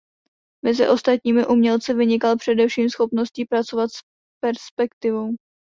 Mezi ostatními umělci vynikal především schopností pracovat s perspektivou.